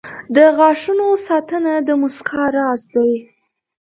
• د غاښونو ساتنه د مسکا راز دی.